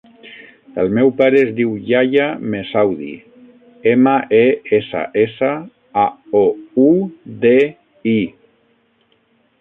El meu pare es diu Yahya Messaoudi: ema, e, essa, essa, a, o, u, de, i.